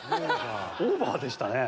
オーバーでしたね。